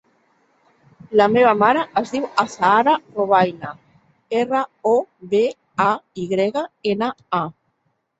La meva mare es diu Azahara Robayna: erra, o, be, a, i grega, ena, a.